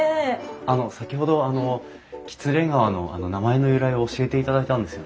あの先ほどあの喜連川の名前の由来を教えていただいたんですよね。